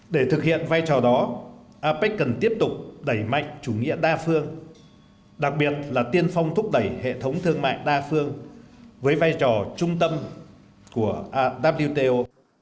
để thực hiện vai trò đó apec cần tiếp tục đẩy mạnh chủ nghĩa đa phương đặc biệt là tiên phong thúc đẩy hệ thống thương mại đa phương với vai trò trung tâm của wto